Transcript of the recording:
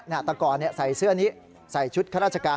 แต่ก่อนใส่เสื้อนี้ใส่ชุดข้าราชการ